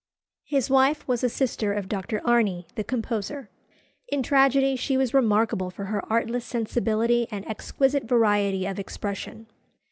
His wife was a sister of Dr. Arne, the composer. In tragedy she was remarkable for her artless sensibility and exquisite variety of expression.